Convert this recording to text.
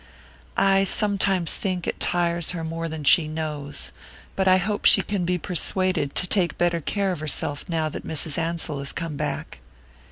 "I sometimes think it tires her more than she knows; but I hope she can be persuaded to take better care of herself now that Mrs. Ansell has come back."